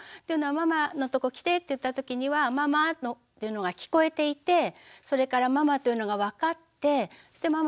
というのは「ママのとこ来て」って言った時には「ママ」っていうのが聞こえていてそれから「ママ」というのが分かってそして